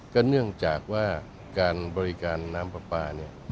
ก็เนื่องจากว่าการบริการน้ำปลาปลา